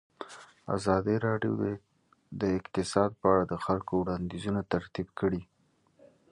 ازادي راډیو د اقتصاد په اړه د خلکو وړاندیزونه ترتیب کړي.